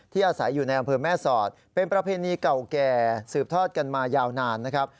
อาศัยอยู่ในอำเภอแม่สอดเป็นประเพณีเก่าแก่สืบทอดกันมายาวนานนะครับ